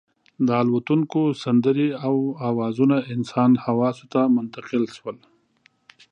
د الوتونکو سندرې او اوازونه د انسان حواسو ته منتقل شول.